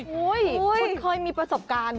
โอ้โฮคุณเคยมีประสบการณ์เหรอ